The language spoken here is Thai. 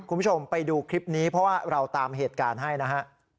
คุณผู้ชมไปดูคลิปนี้เพราะว่าเราตามเหตุการณ์ให้นะฮะ